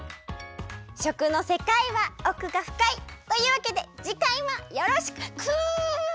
しょくのせかいはおくがふかい！というわけでじかいもよろしくくっ！